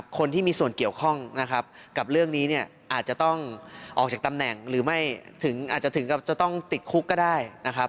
คนที่มีส่วนเกี่ยวข้องกับเรื่องนี้อาจจะต้องออกจากตำแหน่งหรือไม่อาจจะต้องติดคุกก็ได้